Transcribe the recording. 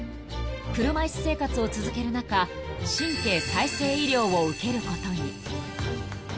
車椅子生活を続ける中神経再生医療を受けることに］